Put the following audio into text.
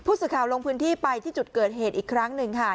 สื่อข่าวลงพื้นที่ไปที่จุดเกิดเหตุอีกครั้งหนึ่งค่ะ